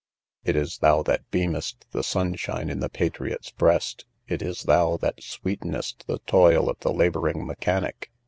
It is thou that beamest the sunshine in the patriot's breast; it is thou that sweetenest the toil of the labouring mechanic!